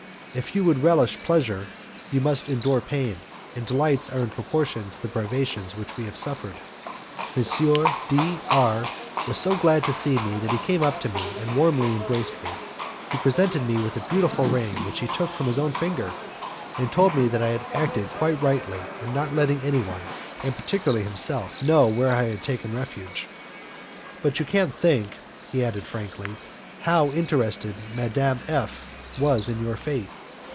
If you would relish pleasure you must endure pain, and delights are in proportion to the privations we have suffered. M. D R was so glad to see me that he came up to me and warmly embraced me. He presented me with a beautiful ring which he took from his own finger, and told me that I had acted quite rightly in not letting anyone, and particularly himself, know where I had taken refuge. "You can't think," he added, frankly, "how interested Madame F was in your fate.